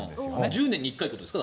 １０年に１回っていうことですか？